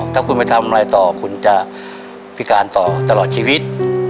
ถ้าคุณไปทำอะไรต่อคุณจะพิการต่อตลอดชีวิต